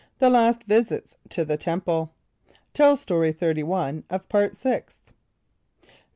The Last Visits to the Temple. (Tell Story 31 of Part Sixth.)